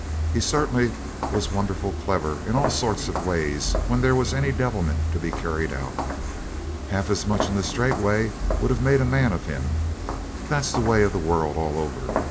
He certainly was wonderful clever in all sorts of ways when there was any devilment to be carried out. Half as much in the straight way would have made a man of him. But that's the way of the world all over.